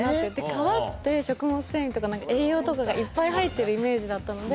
皮って食物繊維とか何か栄養とかがいっぱい入ってるイメージだったので。